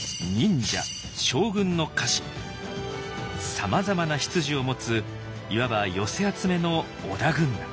さまざまな出自を持ついわば寄せ集めの織田軍団。